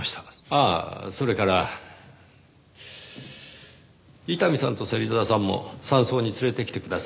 ああそれから伊丹さんと芹沢さんも山荘に連れてきてください。